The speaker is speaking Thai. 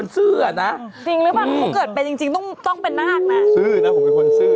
ซื่อนะผมเป็นคนซื่อนะ